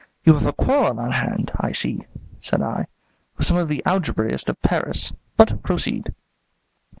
"You have a quarrel on hand, I see," said I, "with some of the algebraists of Paris; but proceed."